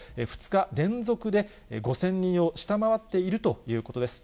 ２日連続で５０００人を下回っているということです。